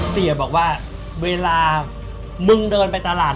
เสียบอกว่าเวลามึงเดินไปตลาด